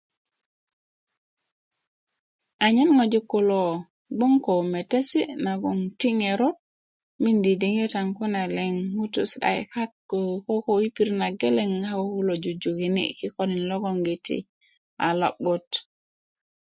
Anyen ŋojik kulo gboŋ ko metesi' nagoŋ ti ŋerot miindi diŋitan kune liŋ ŋutu' si'daki kaka ko koko kulo yi pirit na geleŋ a koko jujukini kikolin logoŋgiti a lo'but